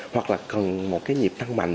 hoặc là cần một cái nhịp thăng mạnh